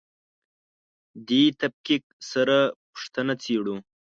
دې تفکیک سره پوښتنه څېړو.